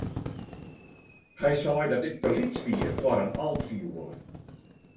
Hy sei dat ik te lyts wie foar in altfioele.